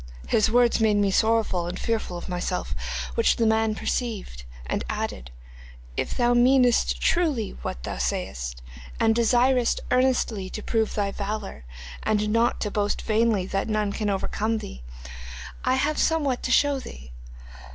His words made me sorrowful and fearful of myself, which the man perceived, and added, "If thou meanest truly what thou sayest, and desirest earnestly to prove thy valour, and not to boast vainly that none can overcome thee, I have somewhat to show thee.